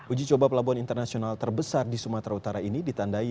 uji coba pelabuhan internasional terbesar di sumatera utara ini ditandai